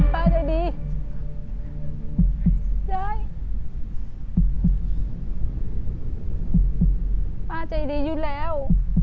ป้าใจดียายป้าใจดีอยู่แล้ว